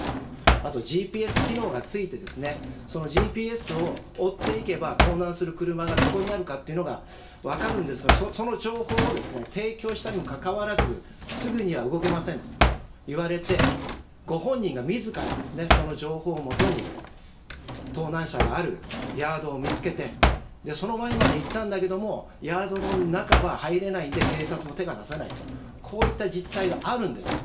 あと、ＧＰＳ機能が付いて、そのＧＰＳを追っていけば、盗難する車がどこにあるかっていうのが分かるんですが、その情報を提供したにもかかわらず、すぐには動けませんと言われて、ご本人がみずから、その情報をもとに、盗難車があるヤードを見つけて、その前まで行ったんだけれども、ヤードの中は入れないんで、警察も手が出せないと、こういった実態があるんです。